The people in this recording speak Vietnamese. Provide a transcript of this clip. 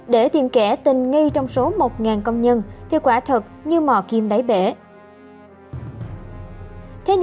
để tìm cho được cây kim đó